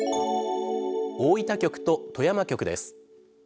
大分局と富山局です。